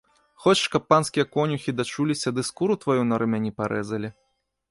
Хочаш, каб панскія конюхі дачуліся ды скуру тваю на рамяні парэзалі?